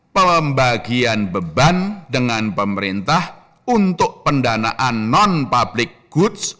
pembagian beban dengan pemerintah untuk pendanaan non public goods